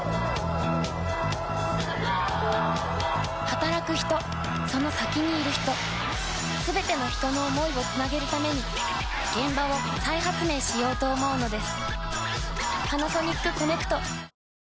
働く人その先にいる人すべての人の想いをつなげるために現場を再発明しようと思うのです。